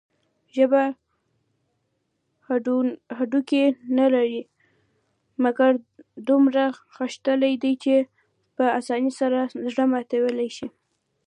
ژبه هډوکي نلري، مګر دومره غښتلي ده چې په اسانۍ سره زړه ماتولى شي.